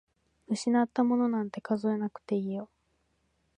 失ったものなんて数えなくていいよ。